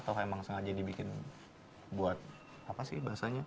atau emang sengaja dibikin buat apa sih bahasanya